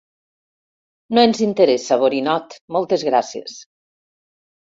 No ens interessa, borinot, moltes gràcies!